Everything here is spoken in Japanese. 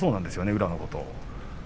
宇良のこと。